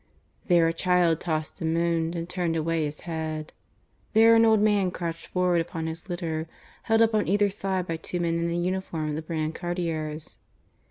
There a child tossed and moaned and turned away his head. There an old man crouched forward upon his litter, held up on either side by two men in the uniform of the brancardiers.